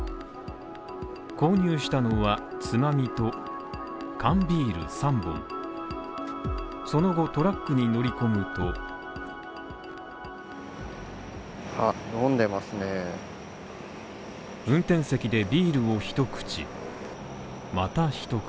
購入したのは、つまみと缶ビール３本その後トラックに乗り込むと運転席でビールを一口。